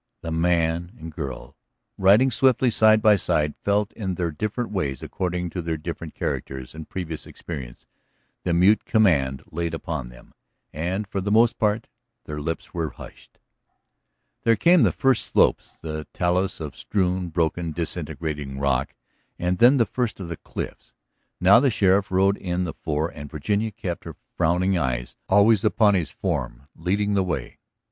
The man and girl riding swiftly side by side felt in their different ways according to their different characters and previous experience the mute command laid upon them, and for the most part their lips were hushed. There came the first slopes, the talus of strewn, broken, disintegrating rock, and then the first of the cliffs. Now the sheriff rode in the fore and Virginia kept her frowning eyes always upon his form leading the way.